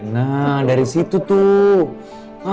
nah dari situ tuh